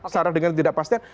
secara dengan ketidakpastian